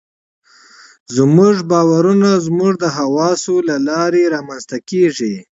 زموږ باورونه زموږ د حواسو له لارې رامنځته کېږي.